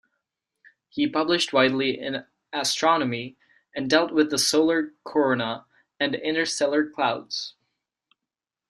He published widely in astronomy, and dealt with the solar corona, and interstellar clouds.